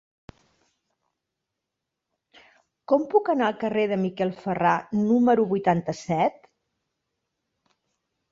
Com puc anar al carrer de Miquel Ferrà número vuitanta-set?